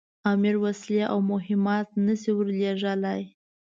امیر وسلې او مهمات نه سي ورلېږلای.